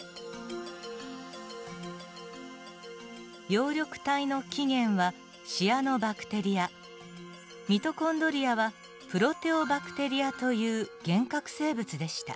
葉緑体の起源はシアノバクテリアミトコンドリアはプロテオバクテリアという原核生物でした。